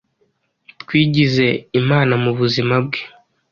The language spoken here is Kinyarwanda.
twigize Imana mu buzima bwe